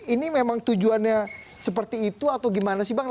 ini memang tujuannya seperti itu atau gimana sih bang